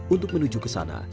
untuk menuju ke sana